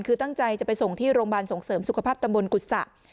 คือตั้งใจจะไปส่งที่โรงพยาบาลส่งเสริมสุขภาพตำบลกุศะ